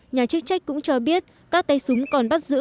nhà chức trách cũng cho biết các tay súng còn bắt đầu tấn công